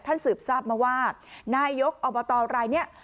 ท่านสืบทราบมาว่านายยกอบตไลน์เนี่ย